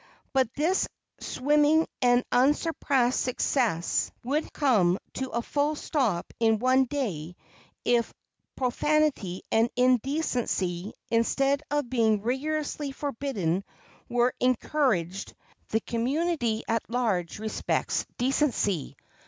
But this swimming and unsurpassed success would come to a full stop in one day if profanity and indecency, instead of being rigorously forbidden, were encouraged. The community at large respects decency.